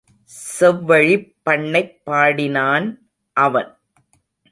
செவ்வழிப் பண்ணைப் பாடினான் அவன்.